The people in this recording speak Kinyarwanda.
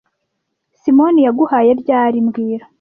Simoni yaguhaye ryari mbwira